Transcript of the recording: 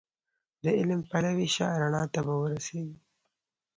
د علم پلوی شه رڼا ته به ورسېږې